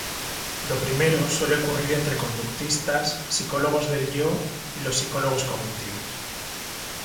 Lo primero suele ocurrir entre conductistas, psicólogos del Yo y los psicólogos cognitivos.